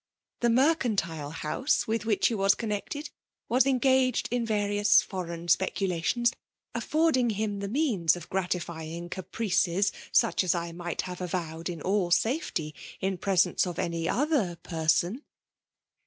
The mercantile house with which he was connected, was en* gaged invaiions fi^reigu speculations, affiirding ktm the means of gratifying caprices, such as I tnight have avowed in all safety, in presence of any other person.